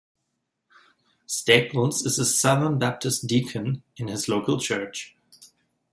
Staples is a Southern Baptist deacon in his local church.